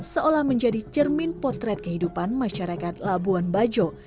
seolah menjadi cermin potret kehidupan masyarakat labuan bajo